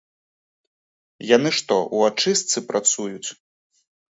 Яны што, у ачыстцы працуюць?